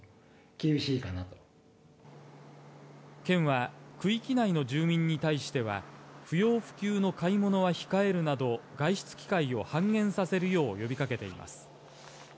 県は、区域内の住民に対しては不要不急の買い物は控えるなど外出機会を半減させるよう呼びかけています。